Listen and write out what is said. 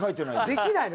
できないの。